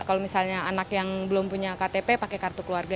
kalau misalnya anak yang belum punya ktp pakai kartu keluarga